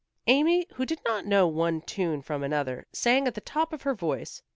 Amy, who did not know one tune from another, sang at the top of her voice.